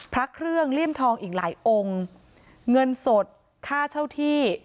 พระเครื่องเลี่ยมทองอีกหลายองค์เงินสดค่าเช่าที่